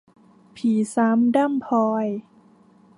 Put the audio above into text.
ผีซ้ำด้ำพลอย